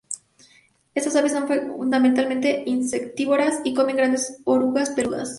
Estas aves son fundamentalmente insectívoras, y comen grandes orugas peludas.